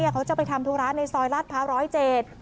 เขาจะไปทำธุราชในซอยราชพระร้อยเจต